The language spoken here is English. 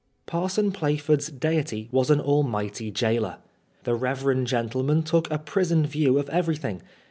Parson Plaford's deity was an almighty gaoler. The reverend gentlemen took a prison view of everything.